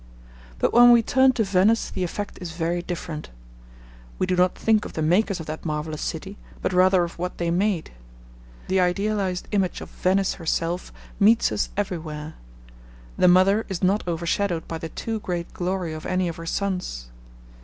But when we turn to Venice the effect is very different. We do not think of the makers of that marvellous city, but rather of what they made. The idealised image of Venice herself meets us everywhere. The mother is not overshadowed by the too great glory of any of her sons.